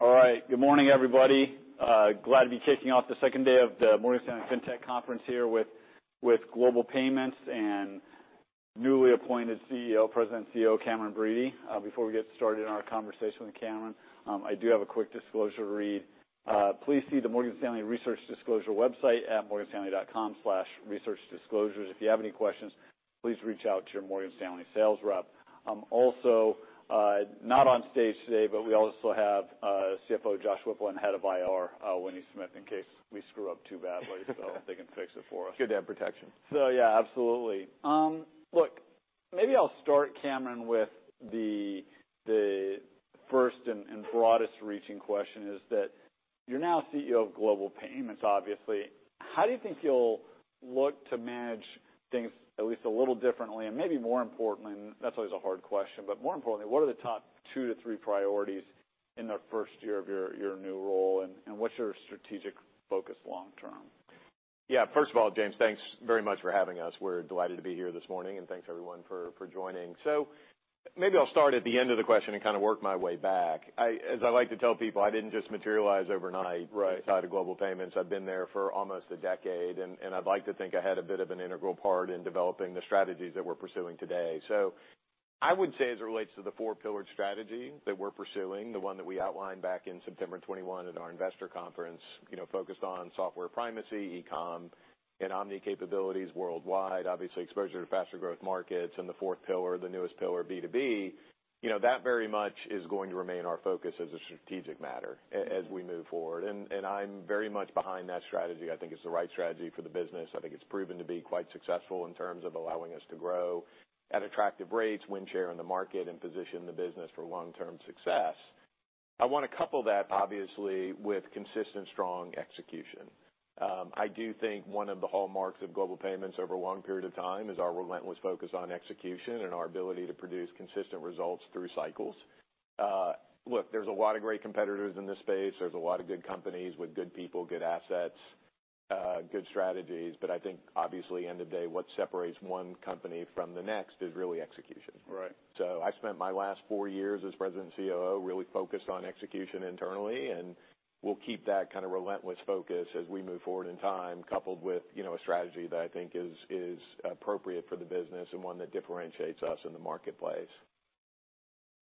All right. Good morning, everybody. Glad to be kicking off the second day of the Morgan Stanley Fintech Conference here with Global Payments and newly appointed CEO, President and CEO, Cameron Bready. Before we get started on our conversation with Cameron, I do have a quick disclosure to read. Please see the Morgan Stanley Research Disclosure website at morganstanley.com/researchdisclosures. If you have any questions, please reach out to your Morgan Stanley sales rep. Also, not on stage today, but we also have CFO Josh Whipple and Head of IR, Winnie Smith, in case we screw up too badly, so they can fix it for us. Good to have protection. Yeah, absolutely. Look, maybe I'll start, Cameron, with the first and broadest reaching question is that you're now CEO of Global Payments, obviously. How do you think you'll look to manage things at least a little differently, and maybe more importantly, that's always a hard question, but more importantly, what are the top two to three priorities in the first year of your new role, and what's your strategic focus long term? Yeah, first of all, James, thanks very much for having us. We're delighted to be here this morning, and thanks, everyone, for joining. Maybe I'll start at the end of the question and kind of work my way back. As I like to tell people, I didn't just materialize overnight. Right inside of Global Payments. I've been there for almost a decade, and I'd like to think I had a bit of an integral part in developing the strategies that we're pursuing today. I would say, as it relates to the four-pillared strategy that we're pursuing, the one that we outlined back in September 2021 at our investor conference, you know, focused on software primacy, e-com, and omni capabilities worldwide, obviously exposure to faster growth markets, and the fourth pillar, the newest pillar, B2B, you know, that very much is going to remain our focus as a strategic matter as we move forward. And I'm very much behind that strategy. I think it's the right strategy for the business. I think it's proven to be quite successful in terms of allowing us to grow at attractive rates, win share in the market, and position the business for long-term success. I want to couple that, obviously, with consistent strong execution. I do think one of the hallmarks of Global Payments over a long period of time is our relentless focus on execution and our ability to produce consistent results through cycles. Look, there's a lot of great competitors in this space. There's a lot of good companies with good people, good assets, good strategies, but I think, obviously, end of the day, what separates one company from the next is really execution. Right. I spent my last four years as President and COO, really focused on execution internally, and we'll keep that kind of relentless focus as we move forward in time, coupled with, you know, a strategy that I think is appropriate for the business and one that differentiates us in the marketplace.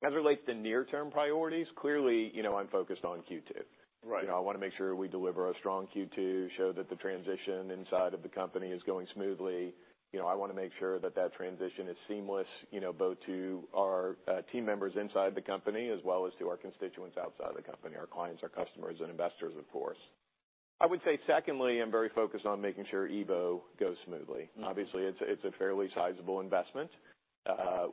As it relates to near-term priorities, clearly, you know, I'm focused on Q2. Right. You know, I wanna make sure we deliver a strong Q2, show that the transition inside of the company is going smoothly. You know, I wanna make sure that that transition is seamless, you know, both to our team members inside the company as well as to our constituents outside the company, our clients, our customers, and investors, of course. I would say, secondly, I'm very focused on making sure EVO goes smoothly. Mm-hmm. Obviously, it's a fairly sizable investment.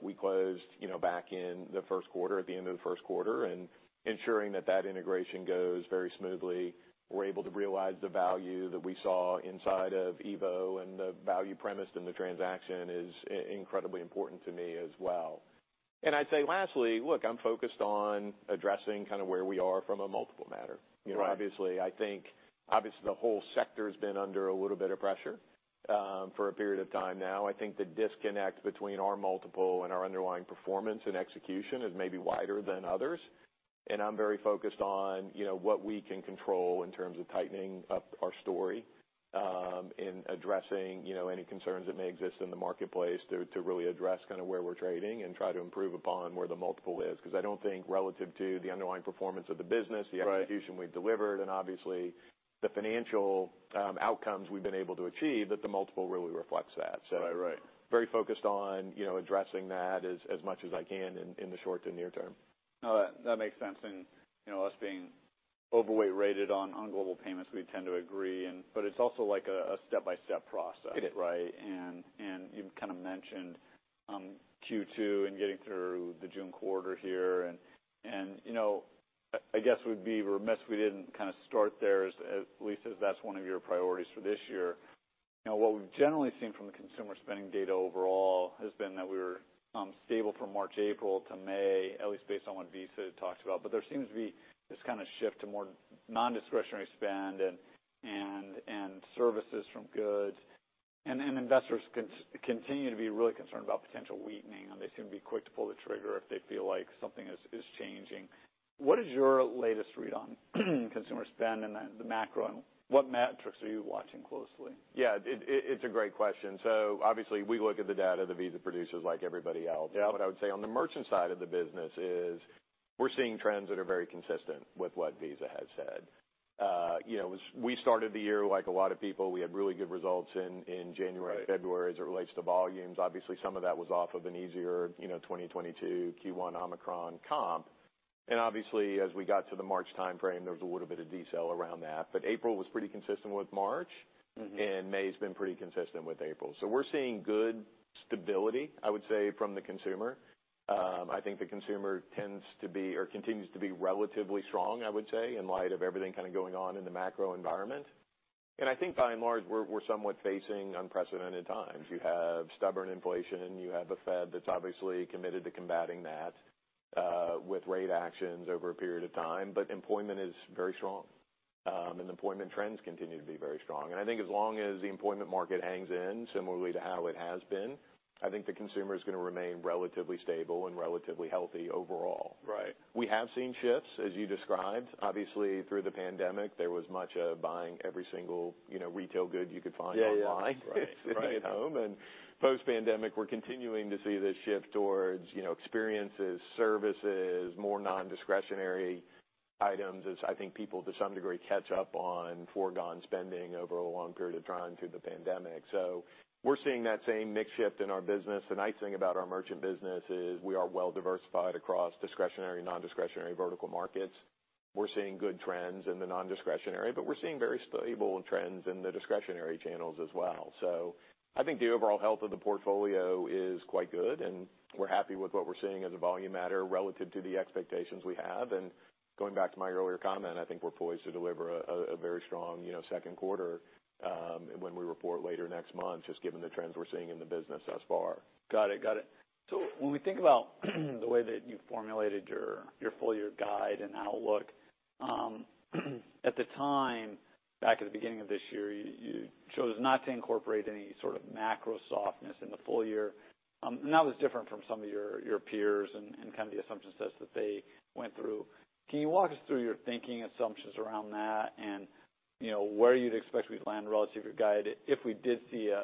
We closed, you know, back in the first quarter, at the end of the first quarter, and ensuring that that integration goes very smoothly, we're able to realize the value that we saw inside of EVO and the value premised in the transaction is incredibly important to me as well. I'd say, lastly, look, I'm focused on addressing kind of where we are from a multiple matter. Right. You know, obviously, I think, obviously, the whole sector's been under a little bit of pressure for a period of time now. I think the disconnect between our multiple and our underlying performance and execution is maybe wider than others, and I'm very focused on, you know, what we can control in terms of tightening up our story, in addressing, you know, any concerns that may exist in the marketplace to really address kind of where we're trading and try to improve upon where the multiple is. 'Cause I don't think relative to the underlying performance of the business. Right... the execution we've delivered, and obviously, the financial outcomes we've been able to achieve, that the multiple really reflects that, so. Right. Right. Very focused on, you know, addressing that as much as I can in the short to near term. No, that makes sense. You know, us being overweight rated on Global Payments, we tend to agree, and but it's also like a step-by-step process. It is. Right? You've kind of mentioned Q2 and getting through the June quarter here. You know, I guess we'd be remiss if we didn't kind of start there as, at least as that's one of your priorities for this year. You know, what we've generally seen from the consumer spending data overall has been that we were stable from March, April to May, at least based on what Visa talked about. There seems to be this kind of shift to more non-discretionary spend and services from goods. Investors continue to be really concerned about potential weakening, and they seem to be quick to pull the trigger if they feel like something is changing. What is your latest read on consumer spend and the macro, and what metrics are you watching closely? Yeah, it's a great question. Obviously, we look at the data that Visa produces like everybody else. Yeah. What I would say on the merchant side of the business is we're seeing trends that are very consistent with what Visa has said. you know, as we started the year, like a lot of people, we had really good results in January. Right... and February, as it relates to volumes. Obviously, some of that was off of an easier, you know, 2022 Q1 Omicron comp. Obviously, as we got to the March timeframe, there was a little bit of decel around that. April was pretty consistent with March. Mm-hmm May's been pretty consistent with April. We're seeing good stability, I would say, from the consumer. I think the consumer tends to be or continues to be relatively strong, I would say, in light of everything kind of going on in the macro environment. I think by and large, we're somewhat facing unprecedented times. You have stubborn inflation, you have a Fed that's obviously committed to combating that with rate actions over a period of time, employment is very strong. Employment trends continue to be very strong. I think as long as the employment market hangs in similarly to how it has been, I think the consumer is going to remain relatively stable and relatively healthy overall. Right. We have seen shifts, as you described. Obviously, through the pandemic, there was much of buying every single, you know, retail good you could find online. Yeah, yeah. Right, right. sitting at home. Post-pandemic, we're continuing to see this shift towards, you know, experiences, services, more non-discretionary items as I think people, to some degree, catch up on foregone spending over a long period of time through the pandemic. We're seeing that same mix shift in our business. The nice thing about our merchant business is we are well diversified across discretionary, non-discretionary vertical markets. We're seeing good trends in the non-discretionary, but we're seeing very stable trends in the discretionary channels as well. I think the overall health of the portfolio is quite good, and we're happy with what we're seeing as a volume matter relative to the expectations we have. Going back to my earlier comment, I think we're poised to deliver a very strong, you know, second quarter, when we report later next month, just given the trends we're seeing in the business thus far. Got it, got it. When we think about the way that you formulated your full year guide and outlook, at the time, back at the beginning of this year, you chose not to incorporate any sort of macro softness in the full year. That was different from some of your peers and kind of the assumption sets that they went through. Can you walk us through your thinking assumptions around that? And, you know, where you'd expect we'd land relative to your guide if we did see a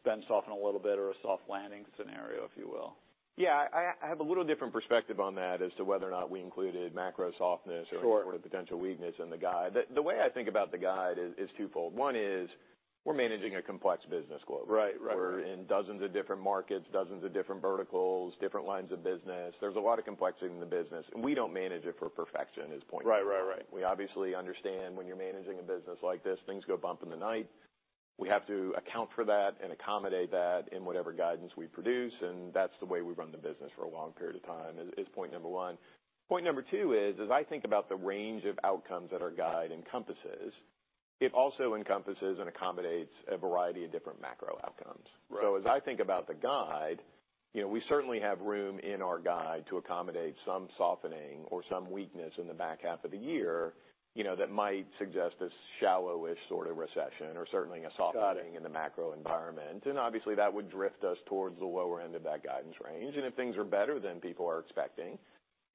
spend soften a little bit or a soft landing scenario, if you will? Yeah. I have a little different perspective on that as to whether or not we included macro softness- Sure... or potential weakness in the guide. The way I think about the guide is twofold. One is we're managing a complex business globally. Right. Right. We're in dozens of different markets, dozens of different verticals, different lines of business. There's a lot of complexity in the business, and we don't manage it for perfection is point number one. Right. Right, right. We obviously understand when you're managing a business like this, things go bump in the night. We have to account for that and accommodate that in whatever guidance we produce, that's the way we've run the business for a long period of time, is point number one. Point number two is, as I think about the range of outcomes that our guide encompasses, it also encompasses and accommodates a variety of different macro outcomes. Right. As I think about the guide, you know, we certainly have room in our guide to accommodate some softening or some weakness in the back half of the year, you know, that might suggest a shallow-ish sort of recession or certainly a softening. Got it. in the macro environment. Obviously, that would drift us towards the lower end of that guidance range. If things are better than people are expecting,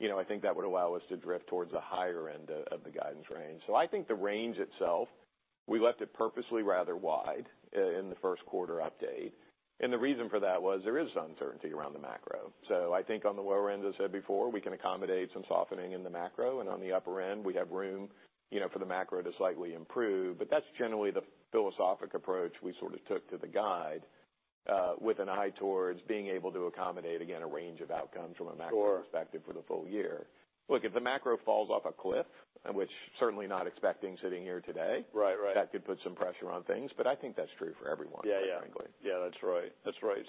you know, I think that would allow us to drift towards the higher end of the guidance range. I think the range itself, we left it purposely rather wide in the first quarter update, and the reason for that was there is uncertainty around the macro. I think on the lower end, as I said before, we can accommodate some softening in the macro, and on the upper end, we have room, you know, for the macro to slightly improve. That's generally the philosophic approach we sort of took to the guide, with an eye towards being able to accommodate, again, a range of outcomes from a macro perspective. Sure... for the full year. Look, if the macro falls off a cliff, which certainly not expecting sitting here today. Right, right.... that could put some pressure on things, but I think that's true for everyone. Yeah, yeah.... quite frankly. Yeah, that's right. That's right.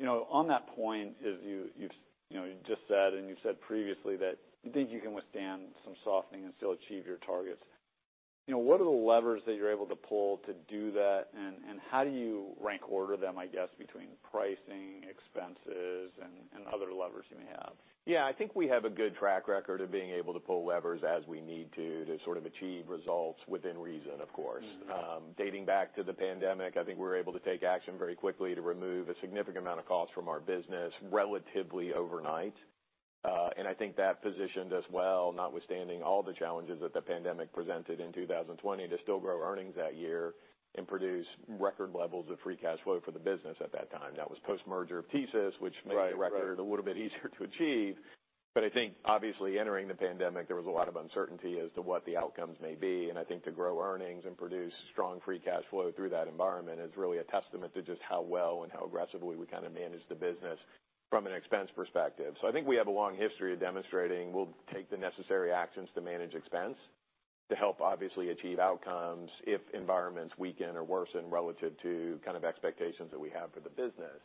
You know, on that point, as you've, you know, you just said, and you've said previously, that you think you can withstand some softening and still achieve your targets. You know, what are the levers that you're able to pull to do that, and how do you rank order them, I guess, between pricing, expenses, and other levers you may have? I think we have a good track record of being able to pull levers as we need to sort of achieve results within reason, of course. Mm-hmm. Dating back to the pandemic, I think we were able to take action very quickly to remove a significant amount of cost from our business relatively overnight. I think that positioned us well, notwithstanding all the challenges that the pandemic presented in 2020, to still grow earnings that year and produce record levels of free cash flow for the business at that time. That was post-merger of TSYS. Right, right.... the record a little bit easier to achieve. I think obviously entering the pandemic, there was a lot of uncertainty as to what the outcomes may be, and I think to grow earnings and produce strong free cash flow through that environment is really a testament to just how well and how aggressively we kind of managed the business from an expense perspective. I think we have a long history of demonstrating we'll take the necessary actions to manage expense, to help obviously achieve outcomes if environments weaken or worsen relative to kind of expectations that we have for the business.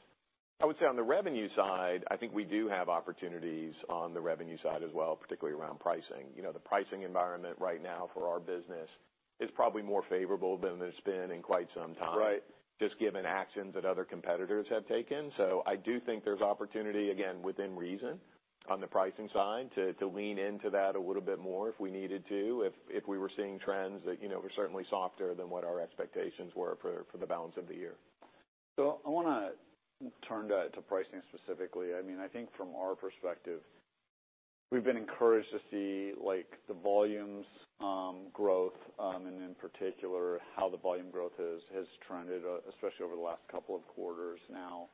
I would say on the revenue side, I think we do have opportunities on the revenue side as well, particularly around pricing. You know, the pricing environment right now for our business is probably more favorable than it's been in quite some time... Right ... just given actions that other competitors have taken. I do think there's opportunity, again, within reason, on the pricing side, to lean into that a little bit more if we needed to, if we were seeing trends that, you know, were certainly softer than what our expectations were for the balance of the year. I wanna turn to pricing specifically. I think from our perspective, we've been encouraged to see, like, the volumes growth and in particular, how the volume growth has trended especially over the last 2 quarters now.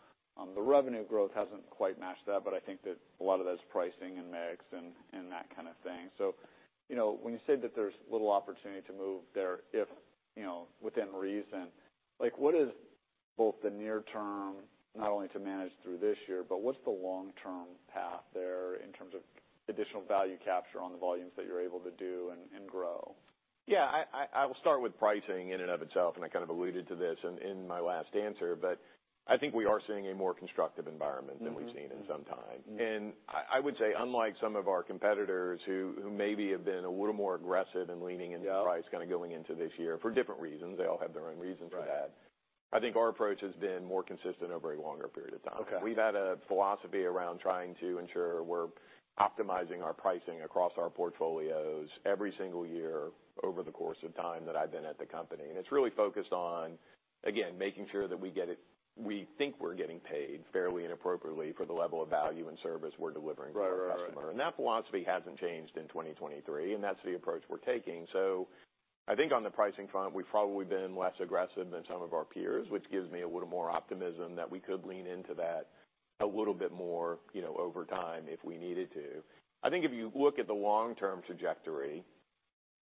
The revenue growth hasn't quite matched that, but I think that a lot of that's pricing and mix and that kind of thing. You know, when you say that there's little opportunity to move there, if, you know, within reason, like, what is both the near term, not only to manage through this year, but what's the long-term path there in terms of additional value capture on the volumes that you're able to do and grow? Yeah. I will start with pricing in and of itself, and I kind of alluded to this in my last answer, but I think we are seeing a more constructive environment… Mm-hmm... than we've seen in some time. Mm-hmm. I would say, unlike some of our competitors, who maybe have been a little more aggressive in leaning into price... Yeah... kind of going into this year, for different reasons, they all have their own reasons for that. I think our approach has been more consistent over a longer period of time. Okay. We've had a philosophy around trying to ensure we're optimizing our pricing across our portfolios every single year over the course of time that I've been at the company. It's really focused on, again, making sure that we think we're getting paid fairly and appropriately for the level of value and service we're delivering to our customer. Right, right. That philosophy hasn't changed in 2023, and that's the approach we're taking. On the pricing front, we've probably been less aggressive than some of our peers, which gives me a little more optimism that we could lean into that a little bit more, you know, over time if we needed to. If you look at the long-term trajectory,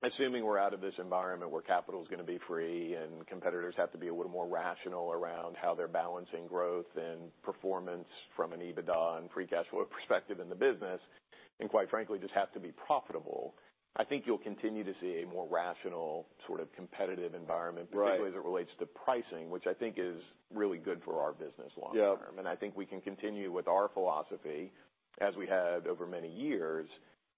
assuming we're out of this environment where capital's gonna be free and competitors have to be a little more rational around how they're balancing growth and performance from an EBITDA and free cash flow perspective in the business, and quite frankly, just have to be profitable, you'll continue to see a more rational, sort of competitive environment. Right particularly as it relates to pricing, which I think is really good for our business long term. Yeah. I think we can continue with our philosophy as we have over many years,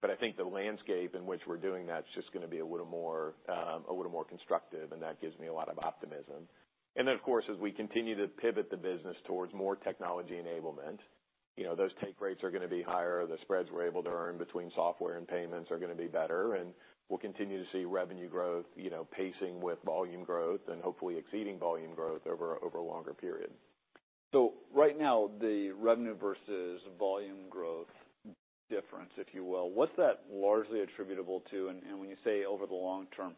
but I think the landscape in which we're doing that is just gonna be a little more, a little more constructive, and that gives me a lot of optimism. Of course, as we continue to pivot the business towards more technology enablement, you know, those take rates are gonna be higher, the spreads we're able to earn between software and payments are gonna be better, and we'll continue to see revenue growth, you know, pacing with volume growth and hopefully exceeding volume growth over a longer period. Right now, the revenue versus volume growth difference, if you will, what's that largely attributable to? When you say over the long term,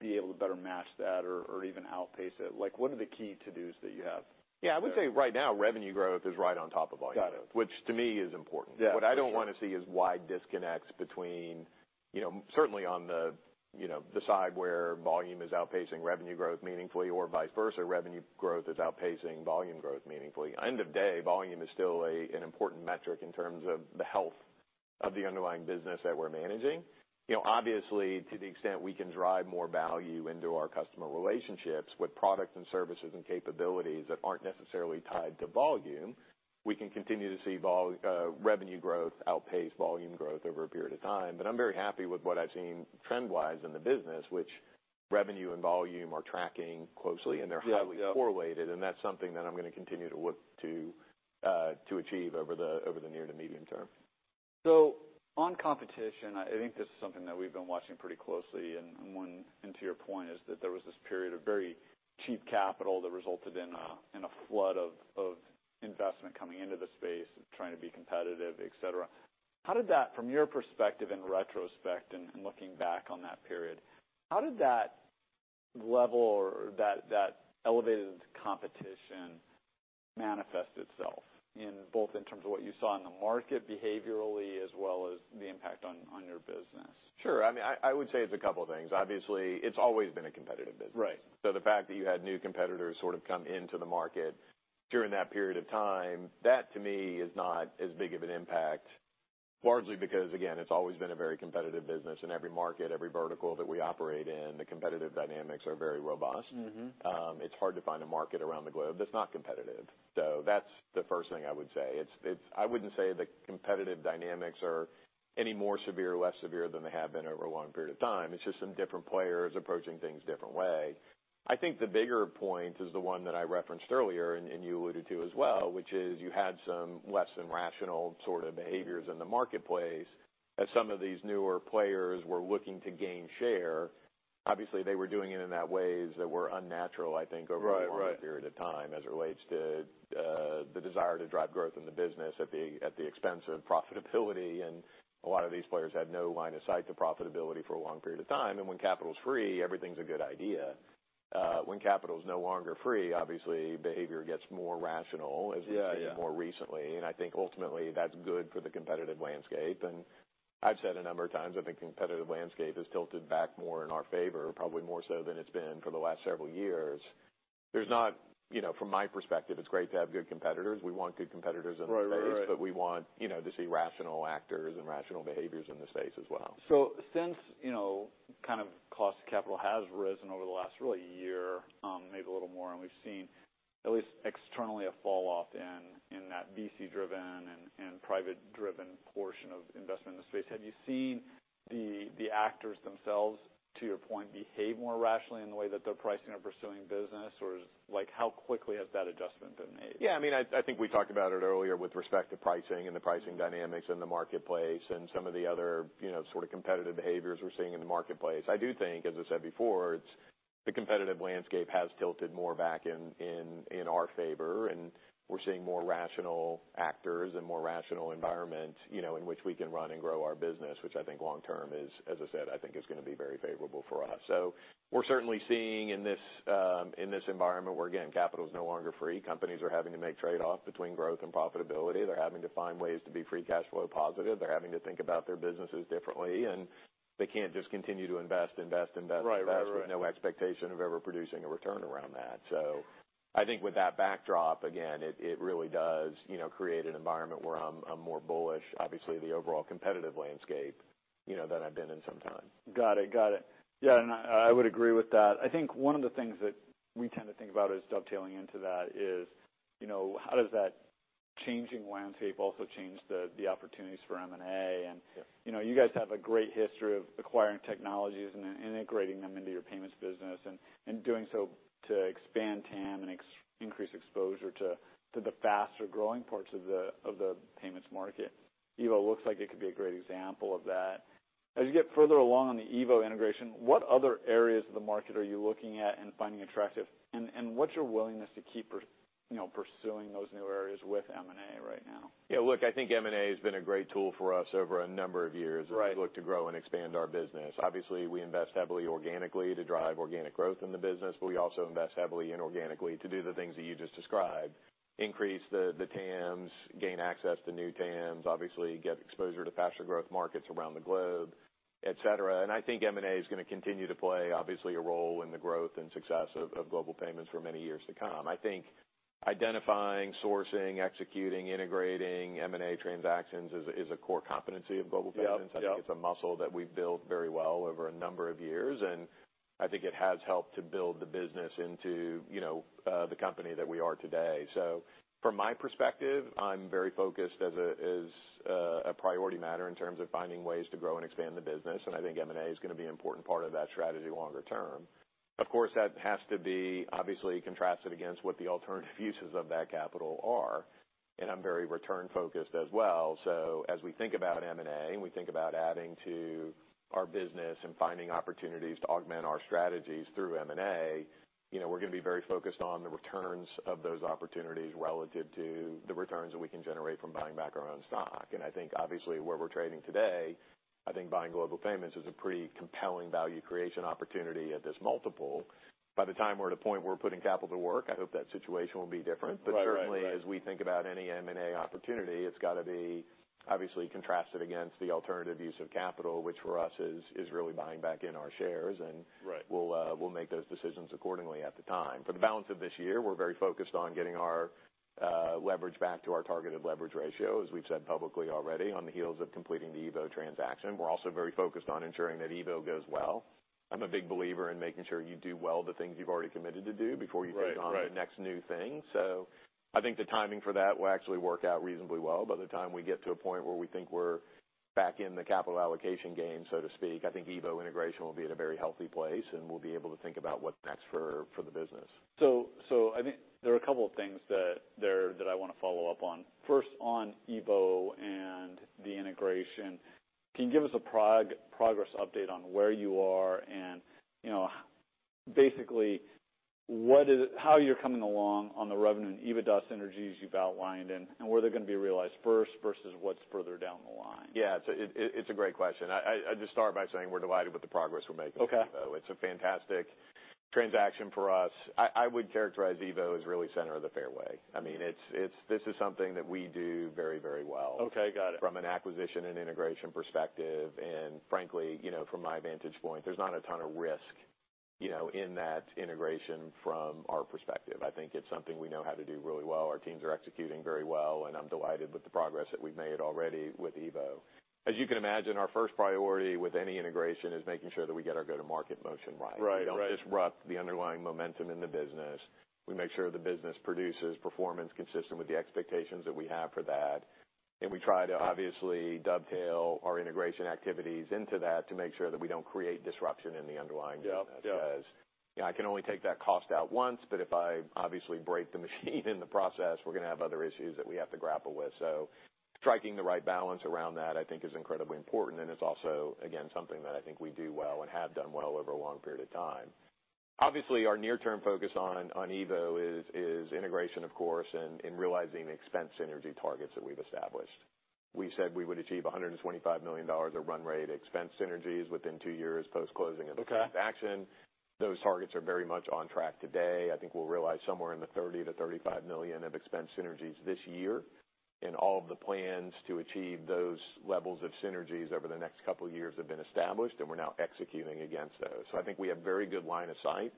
be able to better match that or even outpace it, like, what are the key to-dos that you have? Yeah, I would say right now, revenue growth is right on top of volume. Got it. Which to me is important. Yeah. What I don't want to see is wide disconnects between, you know, certainly on the, you know, the side where volume is outpacing revenue growth meaningfully, or vice versa, revenue growth is outpacing volume growth meaningfully. End of day, volume is still a, an important metric in terms of the health of the underlying business that we're managing. You know, obviously, to the extent we can drive more value into our customer relationships with products and services and capabilities that aren't necessarily tied to volume, we can continue to see revenue growth outpace volume growth over a period of time. I'm very happy with what I've seen trend-wise in the business, which revenue and volume are tracking closely, and they're. Yeah. Yeah.... highly correlated, and that's something that I'm gonna continue to work to achieve over the near to medium term. On competition, I think this is something that we've been watching pretty closely, and to your point, is that there was this period of very cheap capital that resulted in a flood of investment coming into the space and trying to be competitive, et cetera. How did that, from your perspective in retrospect and looking back on that period, how did that level or that elevated competition manifest itself in both in terms of what you saw in the market behaviorally as well as the impact on your business? Sure. I mean, I would say it's a couple of things. Obviously, it's always been a competitive business. Right. The fact that you had new competitors sort of come into the market during that period of time, that to me, is not as big of an impact, largely because, again, it's always been a very competitive business in every market, every vertical that we operate in, the competitive dynamics are very robust. Mm-hmm. It's hard to find a market around the globe that's not competitive. That's the first thing I would say. I wouldn't say the competitive dynamics are any more severe or less severe than they have been over a long period of time. It's just some different players approaching things different way. I think the bigger point is the one that I referenced earlier, and you alluded to as well, which is you had some less than rational sort of behaviors in the marketplace. As some of these newer players were looking to gain share, obviously, they were doing it in that ways that were unnatural, I think. Right.... a longer period of time, as it relates to the desire to drive growth in the business at the expense of profitability. A lot of these players had no line of sight to profitability for a long period of time. When capital is free, everything's a good idea. When capital is no longer free, obviously, behavior gets more rational. Yeah, yeah.... we've seen more recently. I think ultimately, that's good for the competitive landscape. I've said a number of times, I think competitive landscape has tilted back more in our favor, probably more so than it's been for the last several years. You know, from my perspective, it's great to have good competitors. We want good competitors in the space. Right. Right. We want, you know, to see rational actors and rational behaviors in the space as well. Since, you know, kind of cost of capital has risen over the last really year, maybe a little more, and we've seen at least externally, a falloff in that VC-driven and private-driven portion of investment in the space, have you seen the actors themselves, to your point, behave more rationally in the way that they're pricing or pursuing business? Or like, how quickly has that adjustment been made? I mean, I think we talked about it earlier with respect to pricing and the pricing dynamics in the marketplace and some of the other, you know, sort of competitive behaviors we're seeing in the marketplace. I do think, as I said before, it's the competitive landscape has tilted more back in our favor, and we're seeing more rational actors and more rational environment, you know, in which we can run and grow our business, which I think long term is, as I said, I think is gonna be very favorable for us. We're certainly seeing in this environment, where again, capital is no longer free, companies are having to make trade-offs between growth and profitability. They're having to find ways to be free cash flow positive. They're having to think about their businesses differently, and they can't just continue to invest, invest- Right.... with no expectation of ever producing a return around that. I think with that backdrop, again, it really does, you know, create an environment where I'm more bullish, obviously, the overall competitive landscape, you know, than I've been in some time. Got it. Got it. Yeah, and I would agree with that. I think one of the things that we tend to think about as dovetailing into that is, you know, how does that changing landscape also changed the opportunities for M&A, and. Yeah. you know, you guys have a great history of acquiring technologies and integrating them into your payments business, and doing so to expand TAM and increase exposure to the faster-growing parts of the payments market. EVO looks like it could be a great example of that. As you get further along on the EVO integration, what other areas of the market are you looking at and finding attractive? What's your willingness to keep pursuing those new areas with M&A right now? Yeah, look, I think M&A has been a great tool for us over a number of years. Right. as we look to grow and expand our business. Obviously, we invest heavily organically to drive organic growth in the business, but we also invest heavily inorganically to do the things that you just described: increase the TAMs, gain access to new TAMs, obviously, get exposure to faster growth markets around the globe, et cetera. I think M&A is gonna continue to play, obviously, a role in the growth and success of Global Payments for many years to come. I think identifying, sourcing, executing, integrating M&A transactions is a, is a core competency of Global Payments. Yep, yep. I think it's a muscle that we've built very well over a number of years, and I think it has helped to build the business into, you know, the company that we are today. From my perspective, I'm very focused as a priority matter in terms of finding ways to grow and expand the business, and I think M&A is gonna be an important part of that strategy longer term. Of course, that has to be obviously contrasted against what the alternative uses of that capital are, and I'm very return-focused as well. As we think about M&A, and we think about adding to our business and finding opportunities to augment our strategies through M&A, you know, we're gonna be very focused on the returns of those opportunities relative to the returns that we can generate from buying back our own stock. I think obviously, where we're trading today, I think buying Global Payments is a pretty compelling value creation opportunity at this multiple. By the time we're at a point we're putting capital to work, I hope that situation will be different. Right, right. Certainly, as we think about any M&A opportunity, it's got to be obviously contrasted against the alternative use of capital, which for us is really buying back in our shares. Right we'll make those decisions accordingly at the time. For the balance of this year, we're very focused on getting our leverage back to our targeted leverage ratio, as we've said publicly already, on the heels of completing the EVO transaction. We're also very focused on ensuring that EVO goes well. I'm a big believer in making sure you do well the things you've already committed to do before. Right, right.... take on the next new thing. I think the timing for that will actually work out reasonably well. By the time we get to a point where we think we're back in the capital allocation game, so to speak, I think EVO integration will be in a very healthy place, and we'll be able to think about what's next for the business. I think there are a couple of things that that I want to follow up on. First, on EVO and the integration, can you give us a progress update on where you are and, you know, basically, how you're coming along on the revenue and EBITDA synergies you've outlined and where they're going to be realized first, versus what's further down the line? It's a great question. I'll just start by saying we're delighted with the progress we're making with EVO. Okay. It's a fantastic transaction for us. I would characterize EVO as really center of the fairway. I mean, it's, this is something that we do very well. Okay, got it.... from an acquisition and integration perspective, and frankly, you know, from my vantage point, there's not a ton of risk, you know, in that integration from our perspective. I think it's something we know how to do really well. Our teams are executing very well, and I'm delighted with the progress that we've made already with EVO. As you can imagine, our first priority with any integration is making sure that we get our go-to-market motion right. Right, right. We don't disrupt the underlying momentum in the business. We make sure the business produces performance consistent with the expectations that we have for that, and we try to obviously dovetail our integration activities into that to make sure that we don't create disruption in the underlying business. Yep, yep. You know, I can only take that cost out once, but if I obviously break the machine in the process, we're gonna have other issues that we have to grapple with. Striking the right balance around that, I think, is incredibly important, and it's also, again, something that I think we do well and have done well over a long period of time. Our near-term focus on EVO is integration, of course, and realizing the expense synergy targets that we've established. We said we would achieve $125 million of run rate expense synergies within 2 years post-closing. Okay transaction. Those targets are very much on track today. I think we'll realize somewhere in the $30 million-$35 million of expense synergies this year. All of the plans to achieve those levels of synergies over the next couple of years have been established, and we're now executing against those. I think we have very good line of sight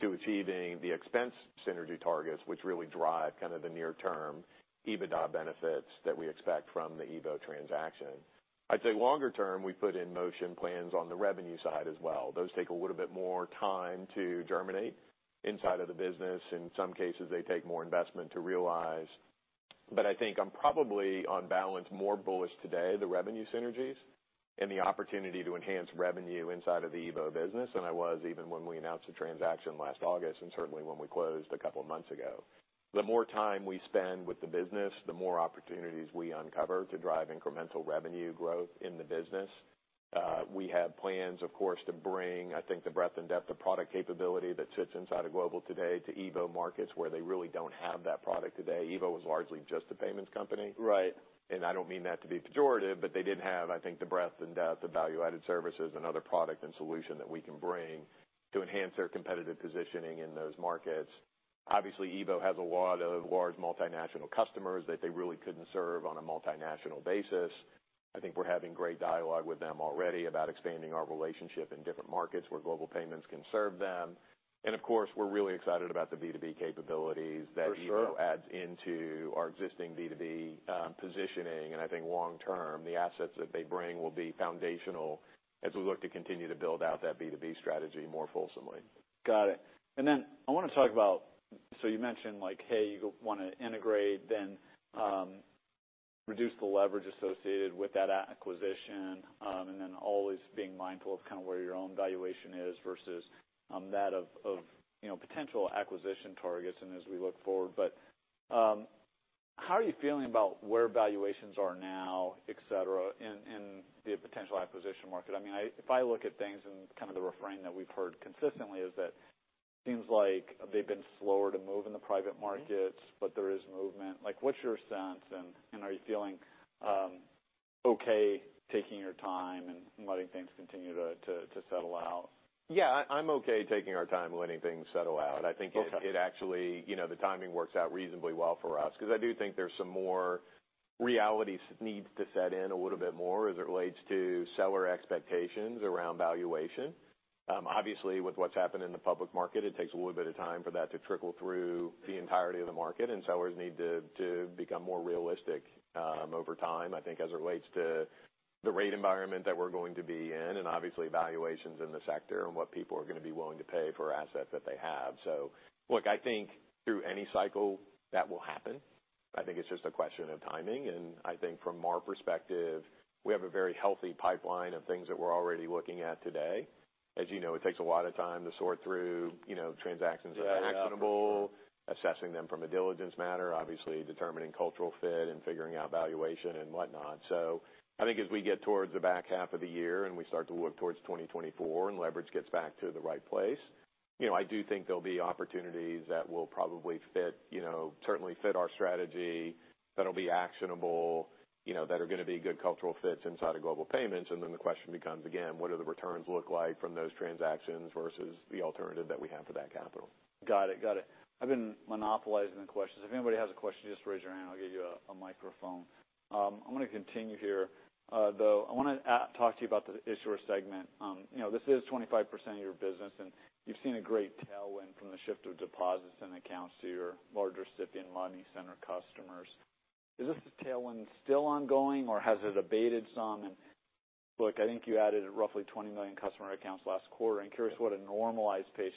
to achieving the expense synergy targets, which really drive kind of the near-term EBITDA benefits that we expect from the EVO transaction. I'd say longer term, we put in motion plans on the revenue side as well. Those take a little bit more time to germinate inside of the business. In some cases, they take more investment to realize. I think I'm probably, on balance, more bullish today, the revenue synergies and the opportunity to enhance revenue inside of the EVO business than I was even when we announced the transaction last August, and certainly when we closed a couple of months ago. The more time we spend with the business, the more opportunities we uncover to drive incremental revenue growth in the business. We have plans, of course, to bring, I think, the breadth and depth of product capability that sits inside of Global today to EVO markets, where they really don't have that product today. EVO was largely just a payments company. Right. I don't mean that to be pejorative, but they didn't have, I think, the breadth and depth of value-added services and other product and solution that we can bring to enhance their competitive positioning in those markets. Obviously, EVO has a lot of large multinational customers that they really couldn't serve on a multinational basis. I think we're having great dialogue with them already about expanding our relationship in different markets where Global Payments can serve them. Of course, we're really excited about the B2B capabilities. For sure. -that EVO adds into our existing B2B positioning, and I think long term, the assets that they bring will be foundational as we look to continue to build out that B2B strategy more fulsomely. Got it. I want to talk about, you mentioned like, hey, you want to integrate, reduce the leverage associated with that acquisition, and then always being mindful of kind of where your own valuation is versus that of, you know, potential acquisition targets and as we look forward. How are you feeling about where valuations are now, et cetera, in the potential acquisition market? I mean, if I look at things and kind of the refrain that we've heard consistently is that seems like they've been slower to move in the private markets, but there is movement. Like, what's your sense, and are you feeling okay taking your time and letting things continue to settle out? Yeah, I'm okay taking our time letting things settle out. Okay. I think it actually, you know, the timing works out reasonably well for us because I do think there's some more reality needs to set in a little bit more as it relates to seller expectations around valuation. Obviously, with what's happened in the public market, it takes a little bit of time for that to trickle through the entirety of the market, and sellers need to become more realistic over time, I think as it relates to the rate environment that we're going to be in, and obviously valuations in the sector and what people are going to be willing to pay for assets that they have. Look, I think through any cycle, that will happen. I think it's just a question of timing, and I think from our perspective, we have a very healthy pipeline of things that we're already looking at today. As you know, it takes a lot of time to sort through, you know, transactions that are actionable. Yeah. assessing them from a diligence matter, obviously determining cultural fit and figuring out valuation and whatnot. I think as we get towards the back half of the year and we start to look towards 2024 and leverage gets back to the right place, you know, I do think there'll be opportunities that will probably fit, you know, certainly fit our strategy, that'll be actionable, you know, that are going to be good cultural fits inside of Global Payments. Then the question becomes, again, what do the returns look like from those transactions versus the alternative that we have for that capital? Got it, got it. I've been monopolizing the questions. If anybody has a question, just raise your hand. I'll give you a microphone. I want to continue here. though, I want to talk to you about the issuer segment. you know, this is 25% of your business, and you've seen a great tailwind from the shift of deposits and accounts to your larger recipient money center customers. Is this tailwind still ongoing, or has it abated some? look, I think you added roughly 20 million customer accounts last quarter. I'm curious what a normalized pace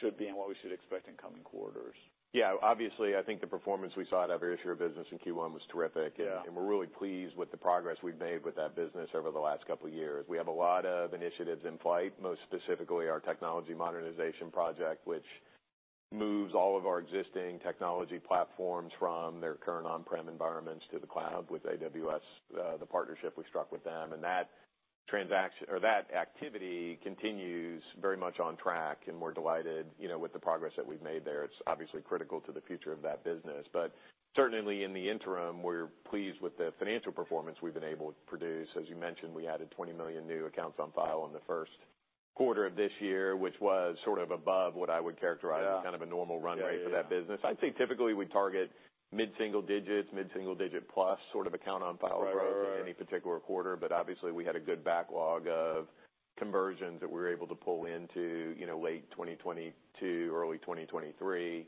should be and what we should expect in coming quarters. Yeah, obviously, I think the performance we saw out of our issuer business in Q1 was terrific. Yeah. We're really pleased with the progress we've made with that business over the last couple of years. We have a lot of initiatives in flight, most specifically our technology modernization project, which moves all of our existing technology platforms from their current on-prem environments to the cloud with AWS, the partnership we struck with them, and that activity continues very much on track, and we're delighted, you know, with the progress that we've made there. It's obviously critical to the future of that business. Certainly in the interim, we're pleased with the financial performance we've been able to produce. As you mentioned, we added 20 million new accounts on file in the first quarter of this year, which was sort of above what I would characterize... Yeah as kind of a normal runway for that business. Yeah, yeah. I think typically we target mid-single digits, mid-single digit plus sort of account on file growth. Right, right. In any particular quarter, obviously we had a good backlog of conversions that we were able to pull into, you know, late 2022, early 2023,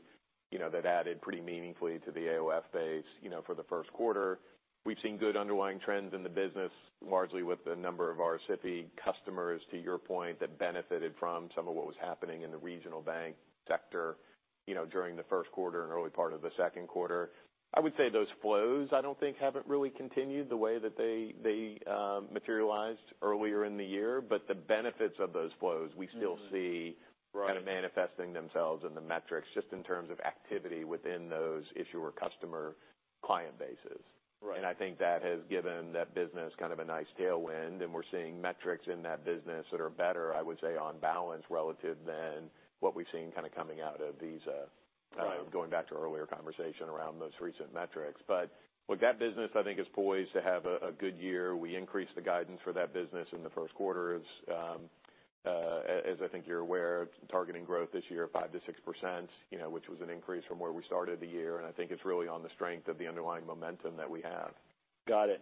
you know, that added pretty meaningfully to the AOF base, you know, for the first quarter. We've seen good underlying trends in the business, largely with a number of our SIFI customers, to your point, that benefited from some of what was happening in the regional bank sector, you know, during the first quarter and early part of the second quarter. I would say those flows, I don't think, haven't really continued the way that they materialized earlier in the year, the benefits of those flows, we still see. Right... kind of manifesting themselves in the metrics, just in terms of activity within those issuer customer client bases. Right. I think that has given that business kind of a nice tailwind, and we're seeing metrics in that business that are better, I would say, on balance, relative than what we've seen kind of coming out of Visa. Right. Kind of going back to our earlier conversation around those recent metrics. Look, that business, I think, is poised to have a good year. We increased the guidance for that business in the first quarter. It's, as I think you're aware, targeting growth this year, 5%-6%, you know, which was an increase from where we started the year. I think it's really on the strength of the underlying momentum that we have. Got it.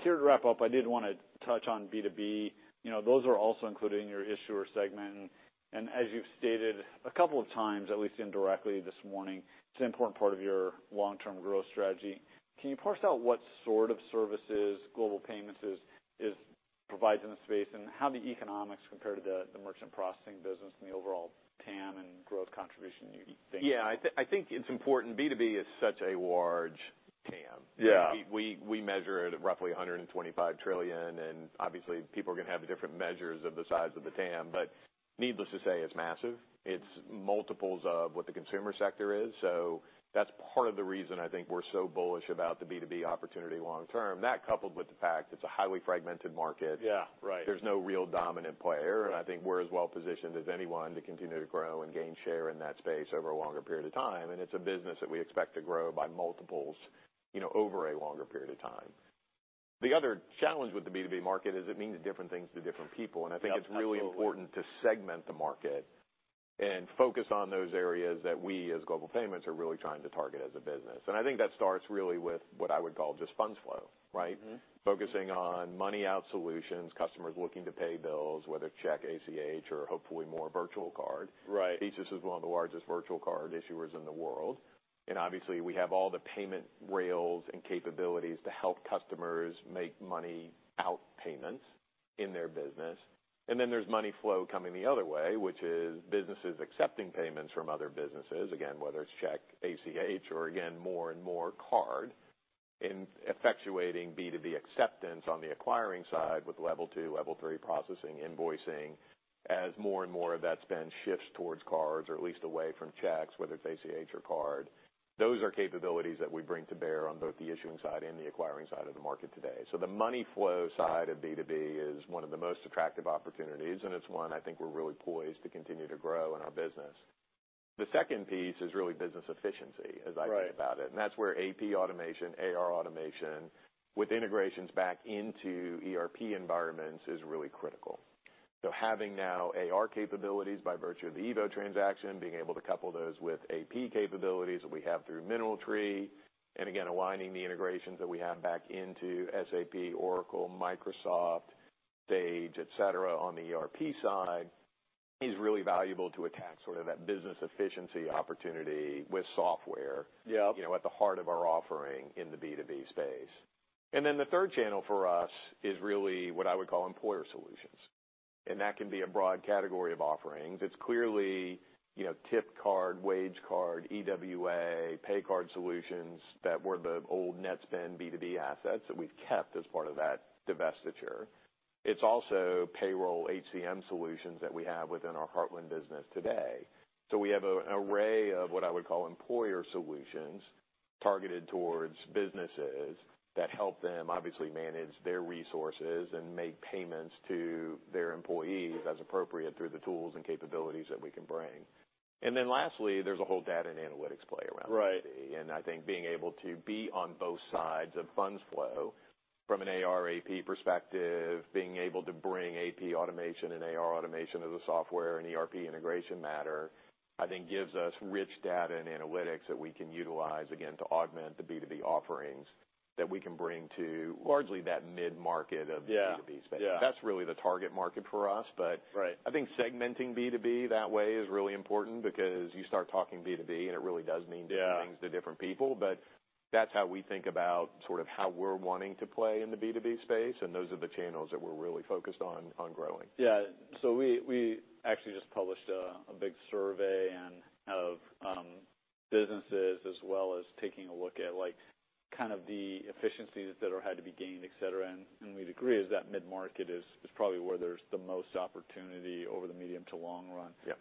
Here to wrap up, I did want to touch on B2B. You know, those are also included in your issuer segment, as you've stated a couple of times, at least indirectly this morning, it's an important part of your long-term growth strategy. Can you parse out what sort of services Global Payments is provides in the space how the economics compare to the merchant processing business the overall TAM and growth contribution you think? Yeah, I think it's important. B2B is such a large TAM. Yeah. We measure it at roughly $125 trillion, and obviously people are going to have different measures of the size of the TAM, but needless to say, it's massive. It's multiples of what the consumer sector is, so that's part of the reason I think we're so bullish about the B2B opportunity long term. That, coupled with the fact it's a highly fragmented market. Yeah, right. There's no real dominant player. I think we're as well positioned as anyone to continue to grow and gain share in that space over a longer period of time. It's a business that we expect to grow by multiples, you know, over a longer period of time. The other challenge with the B2B market is it means different things to different people. I think. Absolutely it's really important to segment the market and focus on those areas that we, as Global Payments, are really trying to target as a business. I think that starts really with what I would call just funds flow, right? Mm-hmm. Focusing on money out solutions, customers looking to pay bills, whether check, ACH, or hopefully more virtual card. Right. Visa is one of the largest virtual card issuers in the world, and obviously, we have all the payment rails and capabilities to help customers make money out payments in their business, and then there's money flow coming the other way, which is businesses accepting payments from other businesses, again, whether it's check, ACH, or again, more and more card, in effectuating B2B acceptance on the acquiring side with Level 2, Level 3 processing, invoicing, as more and more of that spend shifts towards cards or at least away from checks, whether it's ACH or card. Those are capabilities that we bring to bear on both the issuing side and the acquiring side of the market today. The money flow side of B2B is one of the most attractive opportunities, and it's one I think we're really poised to continue to grow in our business. The second piece is really business efficiency, as I think about it. Right. That's where AP automation, AR automation, with integrations back into ERP environments, is really critical. Having now AR capabilities by virtue of the EVO transaction, being able to couple those with AP capabilities that we have through MineralTree, again, aligning the integrations that we have back into SAP, Oracle, Microsoft, Sage, et cetera, on the ERP side, is really valuable to attack sort of that business efficiency opportunity with software- Yep. you know, at the heart of our offering in the B2B space. The third channel for us is really what I would call employer solutions. That can be a broad category of offerings. It's clearly, you know, tip card, wage card, EWA, pay card solutions that were the old Netspend B2B assets that we've kept as part of that divestiture. It's also payroll HCM solutions that we have within our Heartland business today. We have an array of what I would call employer solutions targeted towards businesses that help them obviously manage their resources and make payments to their employees as appropriate through the tools and capabilities that we can bring. Lastly, there's a whole data and analytics play around B2B. Right. I think being able to be on both sides of funds flow from an ARAP perspective, being able to bring AP automation and AR automation as a software and ERP integration matter, I think gives us rich data and analytics that we can utilize, again, to augment the B2B offerings that we can bring to largely that mid-market of the B2B space. Yeah. Yeah. That's really the target market for us. Right I think segmenting B2B that way is really important because you start talking B2B, it really does mean different things. Yeah to different people. That's how we think about sort of how we're wanting to play in the B2B space, and those are the channels that we're really focused on growing. Yeah. We actually just published a big survey and of businesses, as well as taking a look at, like, kind of the efficiencies that are had to be gained, et cetera. We'd agree is that mid-market is probably where there's the most opportunity over the medium to long run. Yep.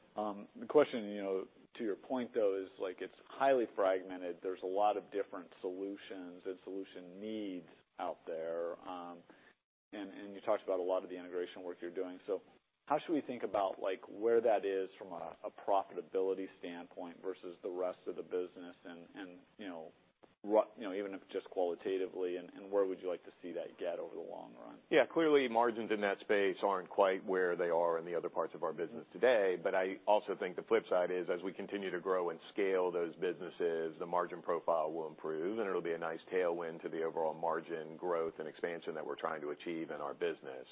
The question, you know, to your point, though, is like it's highly fragmented. There's a lot of different solutions and solution needs out there, you talked about a lot of the integration work you're doing. How should we think about like, where that is from a profitability standpoint versus the rest of the business, you know, even if just qualitatively, where would you like to see that get over the long run? Yeah, clearly, margins in that space aren't quite where they are in the other parts of our business today. I also think the flip side is, as we continue to grow and scale those businesses, the margin profile will improve, and it'll be a nice tailwind to the overall margin growth and expansion that we're trying to achieve in our business.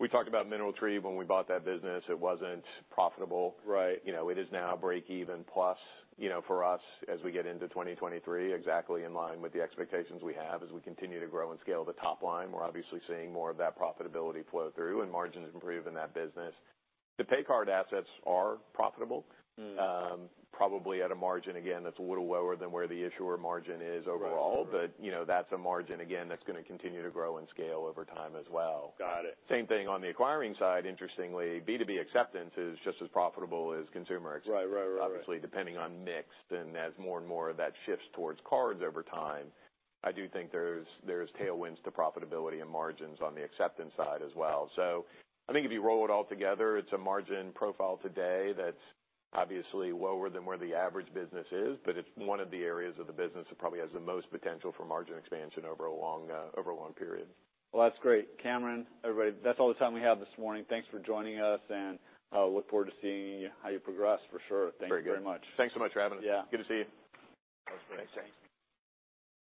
We talked about MineralTree. When we bought that business, it wasn't profitable. Right. You know, it is now break even plus, you know, for us, as we get into 2023, exactly in line with the expectations we have. As we continue to grow and scale the top line, we're obviously seeing more of that profitability flow through and margins improve in that business. The pay card assets are profitable. Mm. Probably at a margin, again, that's a little lower than where the issuer margin is overall. Right. You know, that's a margin, again, that's going to continue to grow and scale over time as well. Got it. Same thing on the acquiring side. Interestingly, B2B acceptance is just as profitable as consumer acceptance. Right. Right, right. Obviously, depending on mix, and as more and more of that shifts towards cards over time, I do think there's tailwinds to profitability and margins on the acceptance side as well. I think if you roll it all together, it's a margin profile today that's obviously lower than where the average business is, but it's one of the areas of the business that probably has the most potential for margin expansion over a long period. Well, that's great. Cameron, everybody, that's all the time we have this morning. Thanks for joining us, and, look forward to seeing how you progress for sure. Very good. Thank you very much. Thanks so much for having us. Yeah. Good to see you. That was great. Thanks.